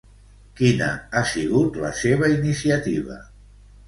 Quina ha sigut la seva iniciativa?